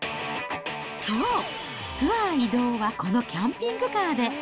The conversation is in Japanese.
そう、ツアー移動は、このキャンピングカーで。